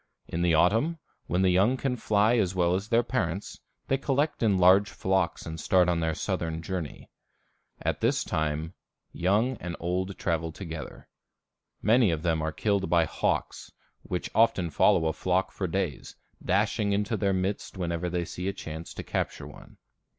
In the autumn, when the young can fly as well as their parents, they collect in large flocks and start on their southern journey. At this time young and old travel together. Many of them are killed by hawks, which often follow a flock for days, dashing into their midst whenever they see a chance to capture one.